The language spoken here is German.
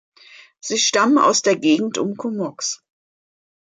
Sie stammen aus der Gegend um Comox.